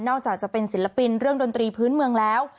จากจะเป็นศิลปินเรื่องดนตรีพื้นเมืองแล้ว